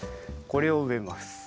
これをうえます。